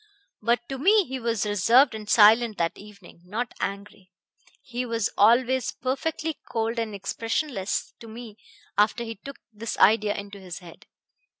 But to me he was reserved and silent that evening not angry. He was always perfectly cold and expressionless to me after he took this idea into his head.